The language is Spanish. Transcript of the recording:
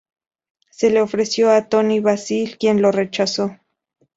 Se lo ofreció a Toni Basil, quien lo rechazó.